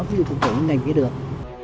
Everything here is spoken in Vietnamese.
ví dụ thụ thể những ngành kế đường